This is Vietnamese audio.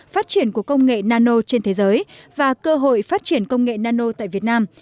phát triển của công nghệ nano trên thế giới và cơ hội phát triển công nghệ nano tại việt nam